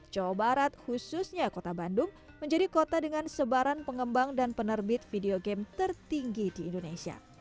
jawa barat khususnya kota bandung menjadi kota dengan sebaran pengembang dan penerbit video game tertinggi di indonesia